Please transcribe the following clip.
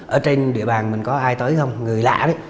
ở trên địa bàn mình có ai tới không người lạ đấy